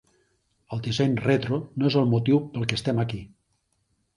El disseny retro no és el motiu pel que estem aquí.